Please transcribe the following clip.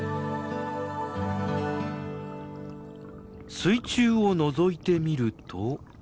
水中をのぞいてみると。